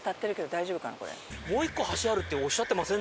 もう１個橋あるっておっしゃってませんでしたよね。